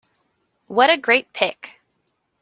What a great pic!